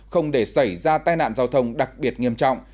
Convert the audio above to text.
không để xảy ra tai nạn giao thông đặc biệt nghiêm trọng